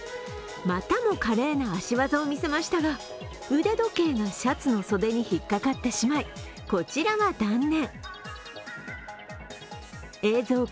またも華麗な足技を見せましたが腕時計がシャツの袖に引っかかってしまい、こちらは断念。